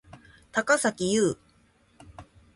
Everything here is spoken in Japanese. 高咲侑